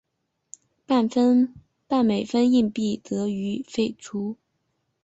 半美分硬币则予废除。